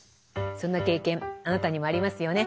そんな経験あなたにもありますよね。